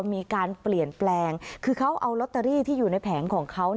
มีการเปลี่ยนแปลงคือเขาเอาลอตเตอรี่ที่อยู่ในแผงของเขา